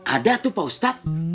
ada tuh paustat